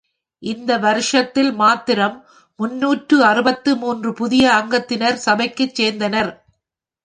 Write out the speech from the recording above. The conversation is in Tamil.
இவ்வருஷத்தில் மாத்திரம் முன்னூற்று அறுபத்து மூன்று புதிய அங்கத்தினர் சபையைச் சேர்ந்தனர்.